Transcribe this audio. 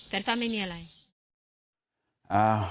แฟนก็ไม่มีอะไร